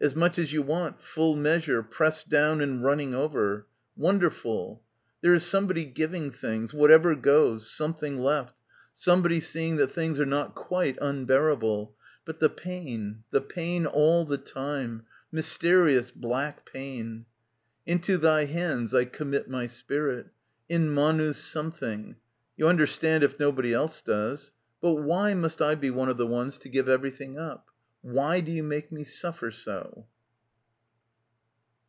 As much as you want, full measure, pressed down and running over. ... Wonderful. There is somebody giving things, whatever goes ... something left. ... Some 156 BACKWATER body seeing that things are not quite unbearable, ... but the pain, the pain all the time, myste rious black pain. ... Into thy hands I commit my spirit. In manus something. ... You understand if nobodv else does. But why must I be one of the ones to give everything up? Why do you make me suffer so?